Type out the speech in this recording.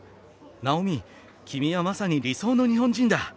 ナオミ君はまさに理想の日本人だ！